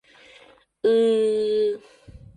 Ы-ы-ы...